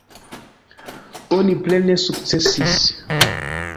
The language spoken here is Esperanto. Oni plene sukcesis.